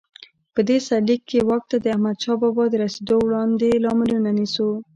په دې سرلیک کې واک ته د احمدشاه بابا د رسېدو وړاندې لاملونه نیسو.